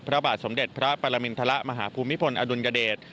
พระบาทสมเด็จพระปรมินทรมาฮภูมิพลอดุลยเดช